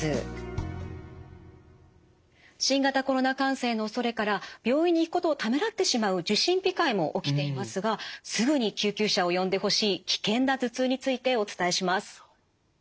新型コロナ感染のおそれから病院に行くことをためらってしまう受診控えも起きていますがすぐに救急車を呼んでほしい危険な頭痛についてお伝えします。